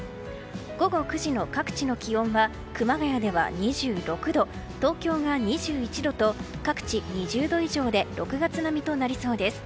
午後９時の各地の気温は熊谷では２６度東京が２１度と各地２０度以上で６月並みとなりそうです。